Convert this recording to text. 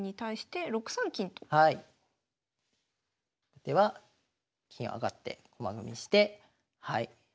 後手は金上がって駒組みしてそして。